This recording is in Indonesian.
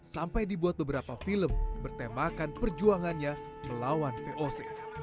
sampai dibuat beberapa film bertemakan perjuangannya melawan voc